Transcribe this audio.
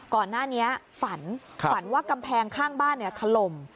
ก่อนหน้านี้ฝันฝันว่ากำแพงข้างบ้านถล่ม